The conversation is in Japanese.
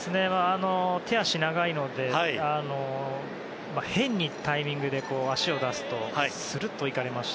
手足が長いので変なタイミングで足を出すとスルッと行かれますし。